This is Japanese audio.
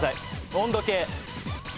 温度計。